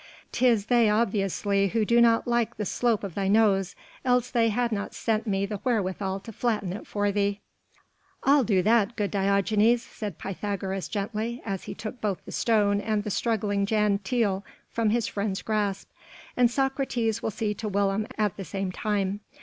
"'Tis they obviously who do not like the shape of thy nose, else they had not sent me the wherewithal to flatten it for thee." "I'll do that, good Diogenes," said Pythagoras gently, as he took both the stone and the struggling Jan Tiele from his friend's grasp, "and Socrates will see to Willem at the same time.